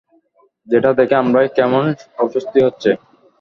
যেটা দেখে আমারই কেমন অস্বস্তি হচ্ছে!